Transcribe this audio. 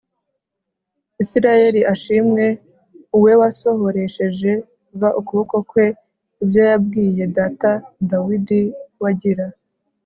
Isirayeli ashimwe u we wasohoresheje v ukuboko kwe ibyo yabwiye data Dawidi w agira